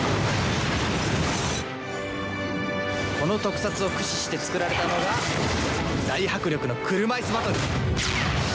この特撮を駆使して作られたのが大迫力の車いすバトル。